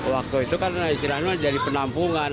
waktu itu kan air itu jadi penampungan